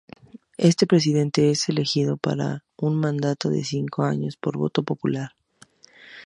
El presidente es elegido para un mandato de cinco años por voto popular.